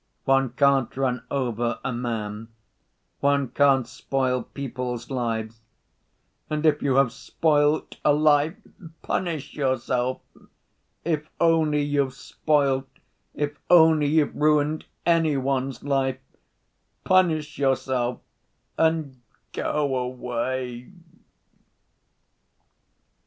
One can't run over a man. One can't spoil people's lives. And if you have spoilt a life—punish yourself.... If only you've spoilt, if only you've ruined any one's life—punish yourself and go away."